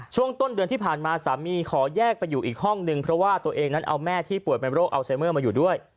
ช่วงต้นเดือนที่ผ่านมาสามีขอแยกไปอยู่อีกห้องนึงเพราะว่าตัวเองนั้นเอาแม่ที่ป่วยเป็นโรคอัลไซเมอร์มาอยู่ด้วย